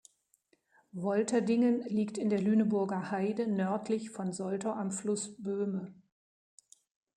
Wolterdingen liegt in der Lüneburger Heide nördlich von Soltau am Fluss Böhme.